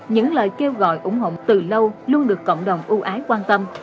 những lời kêu gọi ủng hộ từ lâu luôn được cộng đồng ưu ái quan tâm